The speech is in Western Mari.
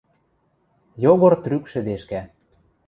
Йогор трӱк шӹдешкӓ: